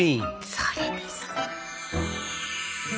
それですよ。